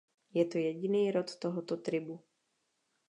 Je to jediný rod tohoto tribu.